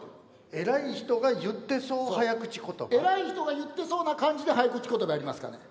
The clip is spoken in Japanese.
偉い人が言ってそう早口言葉？偉い人が言ってそうな感じで早口言葉やりますからね。